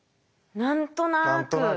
何となく。